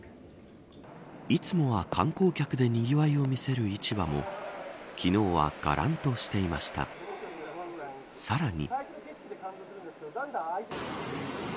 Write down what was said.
いつもは観光客でにぎわいを見せる市場も昨日は、がらんとしていました。さらに。